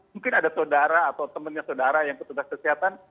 mungkin ada saudara atau temennya saudara yang ketutupan kesehatan